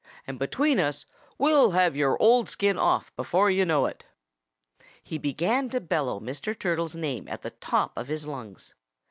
And between us we'll have your old skin off before you know it." He began to bellow Mr. Turtle's name at the top of his lungs.